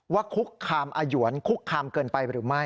คุกคามอยวนคุกคามเกินไปหรือไม่